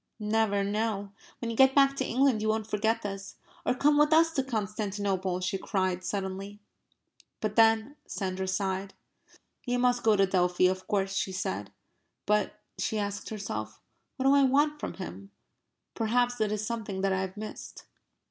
"Never no. When you get back to England you won't forget this or come with us to Constantinople!" she cried suddenly. "But then..." Sandra sighed. "You must go to Delphi, of course," she said. "But," she asked herself, "what do I want from him? Perhaps it is something that I have missed...."